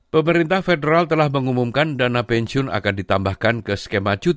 pemerintah federal telah mengumumkan dana pensiun akan ditambahkan ke skema cuti